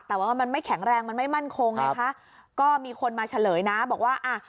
แต่ว่ามันไม่แข็งแรงมันไม่มั่นคงไงคะก็มีคนมาเฉลยนะบอกว่าอ่ะ